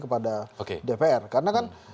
kepada dpr karena kan